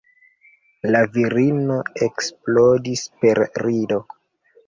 La virino eksplodis per rido.